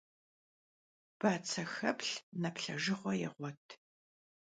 Batsexeplh neplhejjığue yêğuet.